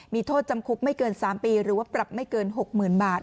มีโทษจำคุกไม่เกิน๓ปีหรือว่าปรับไม่เกิน๖๐๐๐บาท